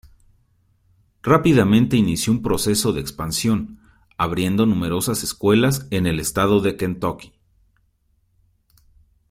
Rápidamente inició un proceso de expansión, abriendo numerosas escuelas en el estado de Kentucky.